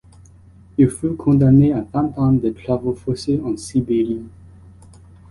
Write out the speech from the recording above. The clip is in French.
Il fut condamné à vingt ans de travaux forcés en Sibérie.